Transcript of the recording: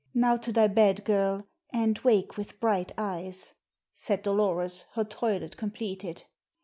"Now to thy bed, girl, and wake with bright eyes," said Dolores, her toilet completed.